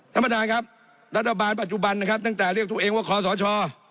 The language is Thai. ท่านประธานครับรัฐบาลปัจจุบันนะครับตั้งแต่เรียกตัวเองว่าคอสช